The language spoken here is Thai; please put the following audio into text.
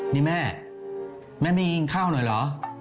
นี่แม่แม่มีกินข้าวหน่อยเหรอ